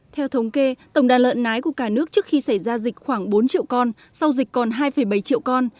theo thống kê tổng đàn lợn nái của cả nước trước khi xảy ra dịch khoảng bốn triệu con sau dịch còn hai bảy triệu con